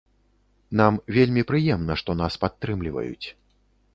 Нам вельмі прыемна, што нас падтрымліваюць.